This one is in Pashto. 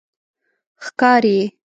ښکاری